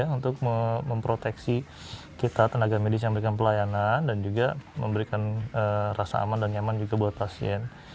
untuk memproteksi kita tenaga medis yang memberikan pelayanan dan juga memberikan rasa aman dan nyaman juga buat pasien